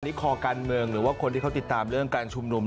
คอการเมืองหรือว่าคนที่เขาติดตามเรื่องการชุมนุม